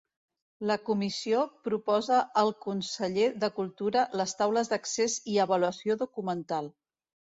La Comissió proposa al conseller de Cultura les Taules d'Accés i Avaluació Documental.